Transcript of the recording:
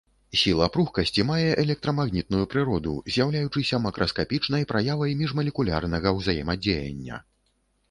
Сіла пругкасці мае электрамагнітную прыроду, з'яўляючыся макраскапічнай праявай міжмалекулярнага ўзаемадзеяння.